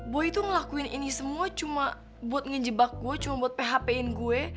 boy itu ngelakuin ini semua cuma buat ngejebak gue cuma buat php in gue